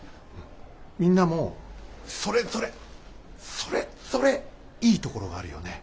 みんなもそれぞれそれぞれいいところがあるよね。